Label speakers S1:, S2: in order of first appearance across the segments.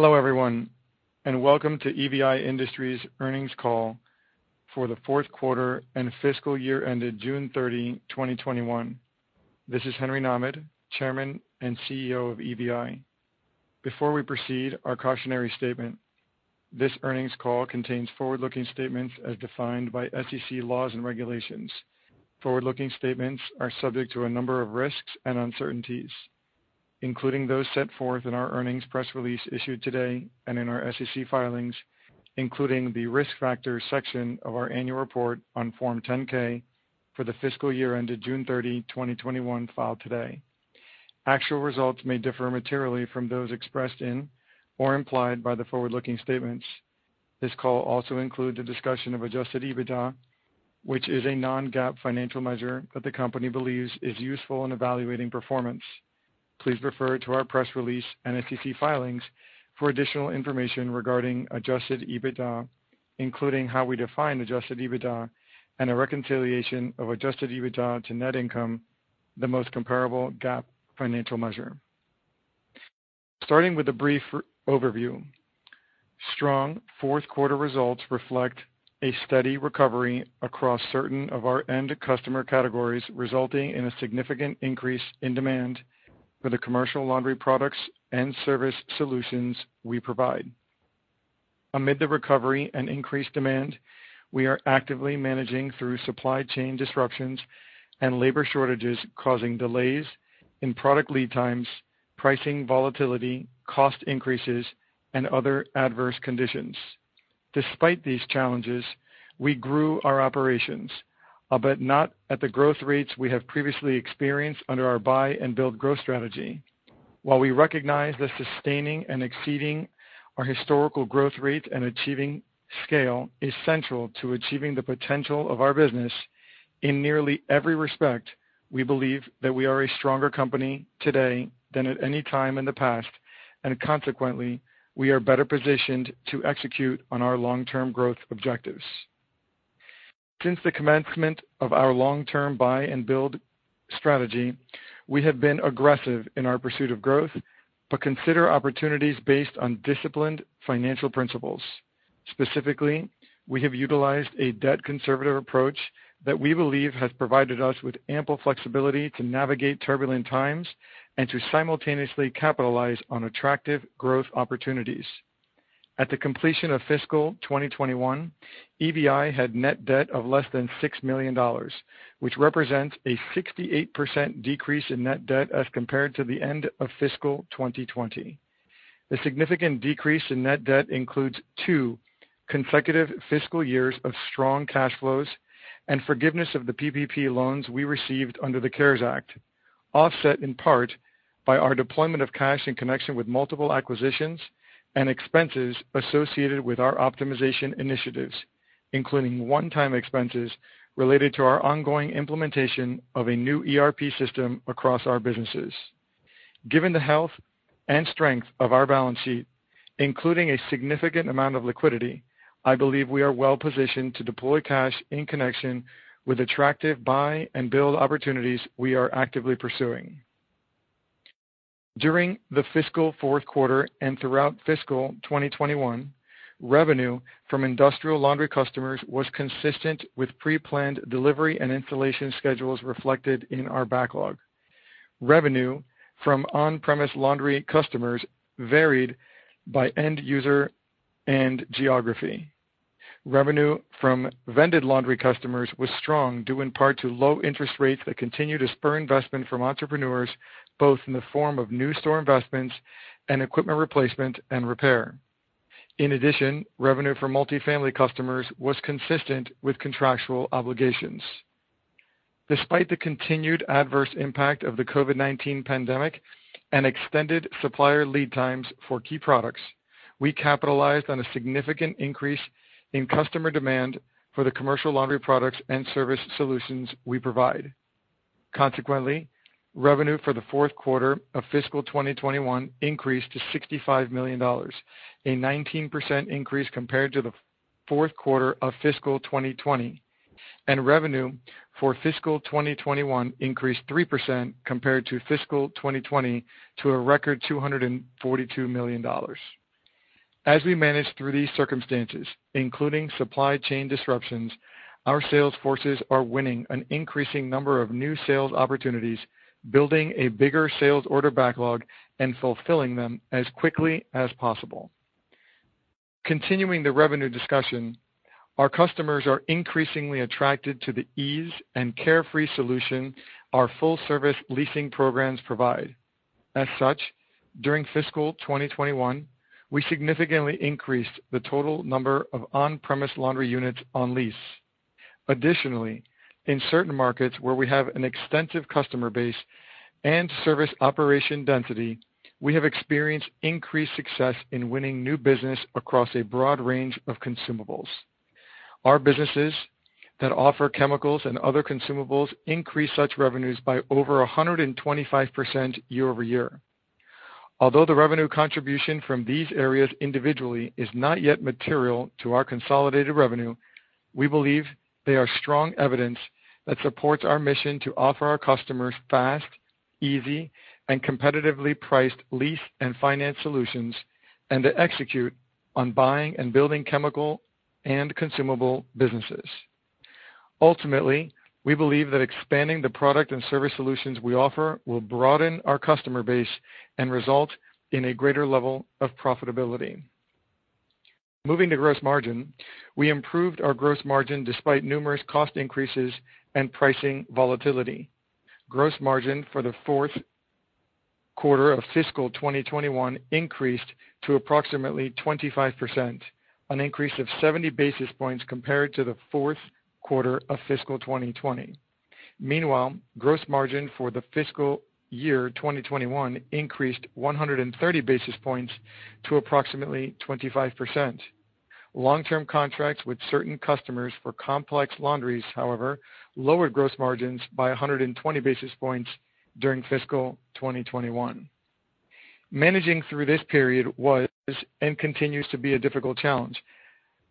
S1: Hello everyone, welcome to EVI Industries earnings call for the fourth quarter and fiscal year ended June 30, 2021. This is Henry M. Nahmad, Chairman and CEO of EVI. Before we proceed, our cautionary statement. This earnings call contains forward-looking statements as defined by SEC laws and regulations. Forward-looking statements are subject to a number of risks and uncertainties, including those set forth in our earnings press release issued today and in our SEC filings, including the Risk Factors section of our annual report on Form 10-K for the fiscal year ended June 30, 2021, filed today. Actual results may differ materially from those expressed in or implied by the forward-looking statements. This call also includes a discussion of adjusted EBITDA, which is a non-GAAP financial measure that the company believes is useful in evaluating performance. Please refer to our press release and SEC filings for additional information regarding adjusted EBITDA, including how we define adjusted EBITDA and a reconciliation of adjusted EBITDA to net income, the most comparable GAAP financial measure. Starting with a brief overview. Strong fourth quarter results reflect a steady recovery across certain of our end customer categories, resulting in a significant increase in demand for the commercial laundry products and service solutions we provide. Amid the recovery and increased demand, we are actively managing through supply chain disruptions and labor shortages causing delays in product lead times, pricing volatility, cost increases, and other adverse conditions. Despite these challenges, we grew our operations, but not at the growth rates we have previously experienced under our buy and build growth strategy. While we recognize that sustaining and exceeding our historical growth rate and achieving scale is central to achieving the potential of our business, in nearly every respect, we believe that we are a stronger company today than at any time in the past, and consequently, we are better positioned to execute on our long-term growth objectives. Since the commencement of our long-term buy and build strategy, we have been aggressive in our pursuit of growth, but consider opportunities based on disciplined financial principles. Specifically, we have utilized a debt conservative approach that we believe has provided us with ample flexibility to navigate turbulent times and to simultaneously capitalize on attractive growth opportunities. At the completion of fiscal 2021, EVI had net debt of less than $6 million, which represents a 68% decrease in net debt as compared to the end of fiscal 2020. The significant decrease in net debt includes two consecutive fiscal years of strong cash flows and forgiveness of the PPP loans we received under the CARES Act, offset in part by our deployment of cash in connection with multiple acquisitions and expenses associated with our optimization initiatives, including one-time expenses related to our ongoing implementation of a new ERP system across our businesses. Given the health and strength of our balance sheet, including a significant amount of liquidity, I believe we are well positioned to deploy cash in connection with attractive buy and build opportunities we are actively pursuing. During the fiscal fourth quarter and throughout fiscal 2021, revenue from industrial laundry customers was consistent with pre-planned delivery and installation schedules reflected in our backlog. Revenue from on-premise laundry customers varied by end user and geography. Revenue from vended laundry customers was strong, due in part to low interest rates that continue to spur investment from entrepreneurs, both in the form of new store investments and equipment replacement and repair. In addition, revenue for multifamily customers was consistent with contractual obligations. Despite the continued adverse impact of the COVID-19 pandemic and extended supplier lead times for key products, we capitalized on a significant increase in customer demand for the commercial laundry products and service solutions we provide. Consequently, revenue for the fourth quarter of fiscal 2021 increased to $65 million, a 19% increase compared to the fourth quarter of fiscal 2020, and revenue for fiscal 2021 increased 3% compared to fiscal 2020 to a record $242 million. As we manage through these circumstances, including supply chain disruptions, our sales forces are winning an increasing number of new sales opportunities, building a bigger sales order backlog, and fulfilling them as quickly as possible. Continuing the revenue discussion, our customers are increasingly attracted to the ease and carefree solution our full service leasing programs provide. As such, during fiscal 2021, we significantly increased the total number of on-premise laundry units on lease. Additionally, in certain markets where we have an extensive customer base and service operation density, we have experienced increased success in winning new business across a broad range of consumables. Our businesses that offer chemicals and other consumables increased such revenues by over 125% year-over-year. Although the revenue contribution from these areas individually is not yet material to our consolidated revenue. We believe they are strong evidence that supports our mission to offer our customers fast, easy, and competitively priced lease and finance solutions, and to execute on buying and building chemical and consumable businesses. Ultimately, we believe that expanding the product and service solutions we offer will broaden our customer base and result in a greater level of profitability. Moving to gross margin. We improved our gross margin despite numerous cost increases and pricing volatility. Gross margin for the fourth quarter of fiscal 2021 increased to approximately 25%, an increase of 70 basis points compared to the fourth quarter of fiscal 2020. Meanwhile, gross margin for the fiscal year 2021 increased 130 basis points to approximately 25%. Long-term contracts with certain customers for complex laundries, however, lowered gross margins by 120 basis points during fiscal 2021. Managing through this period was, and continues to be, a difficult challenge,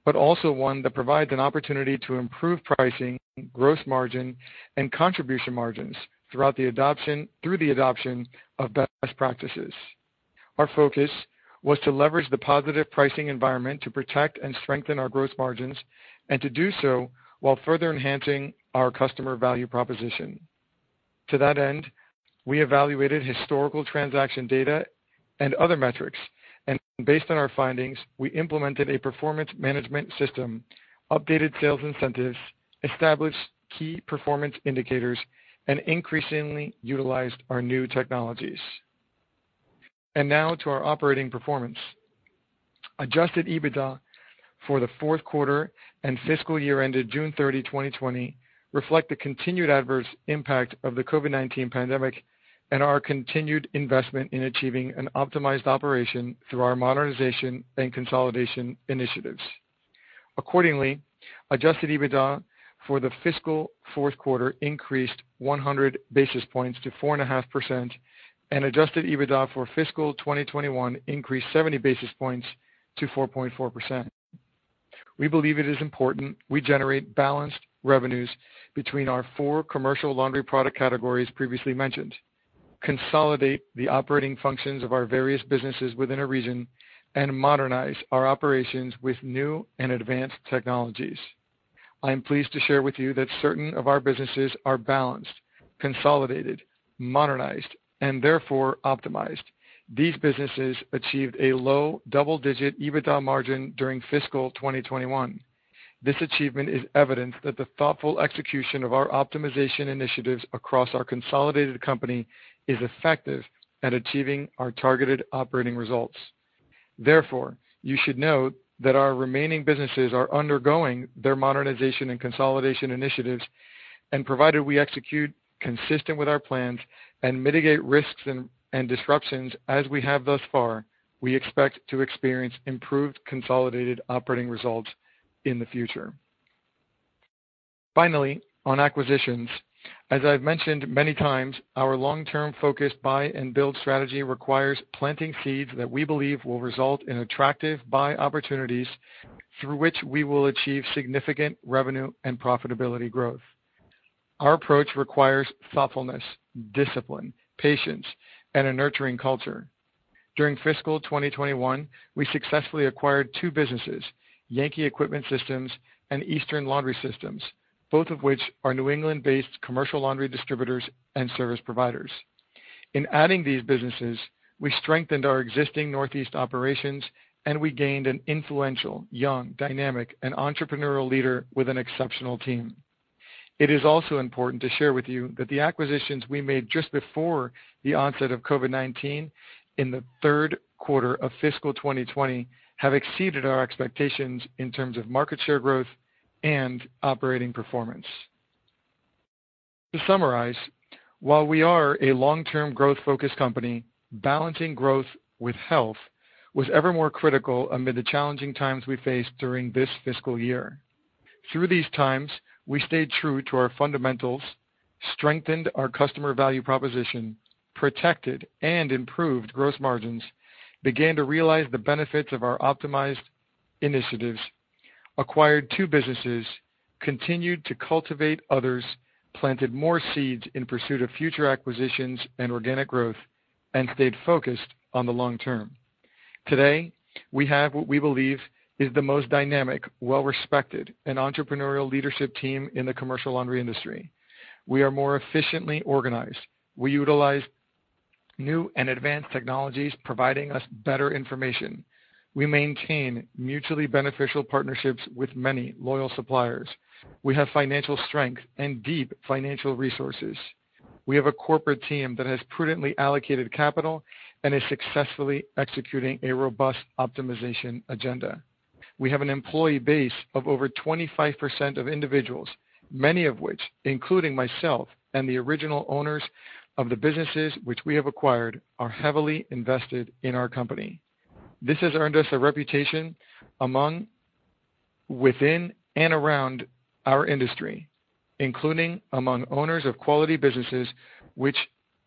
S1: but also one that provides an opportunity to improve pricing, gross margin, and contribution margins through the adoption of best practices. Our focus was to leverage the positive pricing environment to protect and strengthen our gross margins, and to do so while further enhancing our customer value proposition. To that end, we evaluated historical transaction data and other metrics, and based on our findings, we implemented a performance management system, updated sales incentives, established key performance indicators, and increasingly utilized our new technologies. Now to our operating performance. Adjusted EBITDA for the fourth quarter and fiscal year ended June 30, 2020, reflect the continued adverse impact of the COVID-19 pandemic and our continued investment in achieving an optimized operation through our modernization and consolidation initiatives. Accordingly, adjusted EBITDA for the fiscal fourth quarter increased 100 basis points to 4.5%, and adjusted EBITDA for fiscal 2021 increased 70 basis points to 4.4%. We believe it is important we generate balanced revenues between our four commercial laundry product categories previously mentioned, consolidate the operating functions of our various businesses within a region, and modernize our operations with new and advanced technologies. I'm pleased to share with you that certain of our businesses are balanced, consolidated, modernized, and therefore optimized. These businesses achieved a low double-digit EBITDA margin during fiscal 2021. This achievement is evidence that the thoughtful execution of our optimization initiatives across our consolidated company is effective at achieving our targeted operating results. You should note that our remaining businesses are undergoing their modernization and consolidation initiatives, and provided we execute consistent with our plans and mitigate risks and disruptions as we have thus far, we expect to experience improved consolidated operating results in the future. Finally, on acquisitions. As I've mentioned many times, our long-term focused buy and build strategy requires planting seeds that we believe will result in attractive buy opportunities through which we will achieve significant revenue and profitability growth. Our approach requires thoughtfulness, discipline, patience, and a nurturing culture. During fiscal 2021, we successfully acquired two businesses, Yankee Equipment Systems and Eastern Laundry Systems, both of which are New England-based commercial laundry distributors and service providers. In adding these businesses, we strengthened our existing Northeast operations, and we gained an influential, young, dynamic, and entrepreneurial leader with an exceptional team. It is also important to share with you that the acquisitions we made just before the onset of COVID-19 in the third quarter of fiscal 2020 have exceeded our expectations in terms of market share growth and operating performance. To summarize, while we are a long-term growth-focused company, balancing growth with health was ever more critical amid the challenging times we faced during this fiscal year. Through these times, we stayed true to our fundamentals, strengthened our customer value proposition, protected and improved gross margins, began to realize the benefits of our optimized initiatives, acquired two businesses, continued to cultivate others, planted more seeds in pursuit of future acquisitions and organic growth, and stayed focused on the long term. Today, we have what we believe is the most dynamic, well-respected, and entrepreneurial leadership team in the commercial laundry industry. We are more efficiently organized. We utilize new and advanced technologies, providing us better information. We maintain mutually beneficial partnerships with many loyal suppliers. We have financial strength and deep financial resources. We have a corporate team that has prudently allocated capital and is successfully executing a robust optimization agenda. We have an employee base of over 25% of individuals, many of which, including myself and the original owners of the businesses which we have acquired, are heavily invested in our company. This has earned us a reputation among, within, and around our industry, including among owners of quality businesses which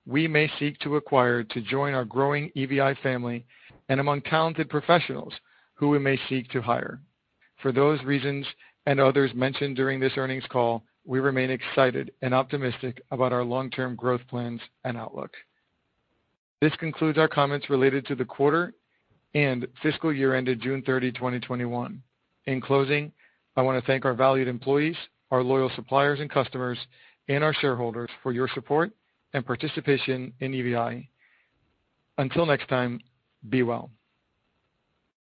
S1: we may seek to acquire to join our growing EVI family, and among talented professionals who we may seek to hire. For those reasons, and others mentioned during this earnings call, we remain excited and optimistic about our long-term growth plans and outlook. This concludes our comments related to the quarter and fiscal year ended June 30, 2021. In closing, I want to thank our valued employees, our loyal suppliers and customers, and our shareholders for your support and participation in EVI. Until next time, be well.